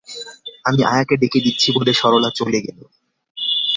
আমি আয়াকে ডেকে দিচ্ছি বলে সরলা চলে গেল।